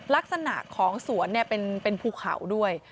ลักษณะของสวนเป็นภูเขาด้วย